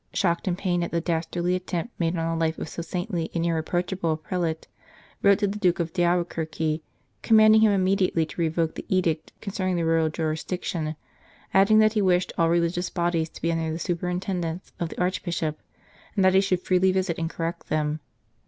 shocked and pained at the dastardly attempt made on the life of so saintly and irreproachable a prelate, wrote to the Duke d Albuquerque commanding him immedi ately to revoke the edict concerning the royal jurisdiction, adding that he wished all religious bodies to be under the superintendence of the Archbishop, and that he should freely visit and correct them.